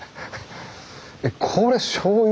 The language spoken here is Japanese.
えこれしょうゆ